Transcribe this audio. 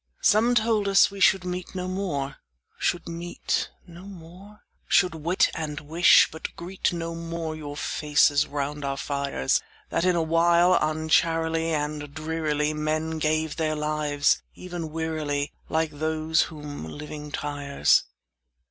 III Some told us we should meet no more, Should meet no more; Should wait, and wish, but greet no more Your faces round our fires; That, in a while, uncharily And drearily Men gave their lives—even wearily, Like those whom living tires.